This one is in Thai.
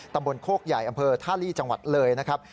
ตำบลโคกใหญ่อำเภอท่าลีจังหวัดเลยนะครับ